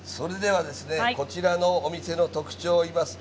こちらのお店の特徴を言います。